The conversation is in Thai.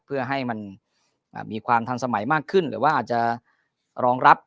เพื่อให้มันมีความทันสมัยมากขึ้นหรือว่าอาจจะรองรับ